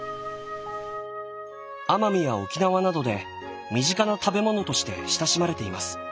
奄美や沖縄などで身近な食べものとして親しまれています。